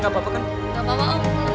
gak apa apa om makasih ya om